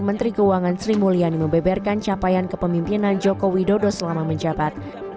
menteri keuangan sri mulyani membeberkan capaian kepemimpinan joko widodo selama menjabat